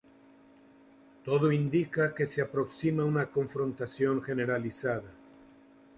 Todo indica que se aproxima una confrontación generalizada.